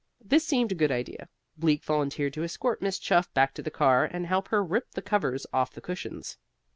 This seemed a good idea. Bleak volunteered to escort Miss Chuff back to the car and help her rip the covers off the cushions.